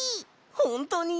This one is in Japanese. ほんとに？